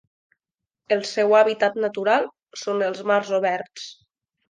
El seu hàbitat natural són els mars oberts.